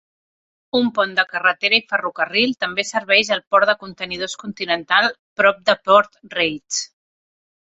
Un pont de carretera i ferrocarril també serveix al port de contenidors continental prop de Port Reitz.